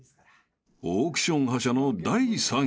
［オークション覇者の第３位］